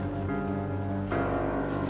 tamu ini mencintai ahmad